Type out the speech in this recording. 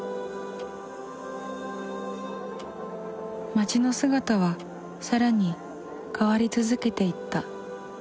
街の姿は更に変わり続けていった。